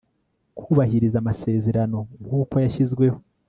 kubahiriza amasezerano nk uko yashyizweho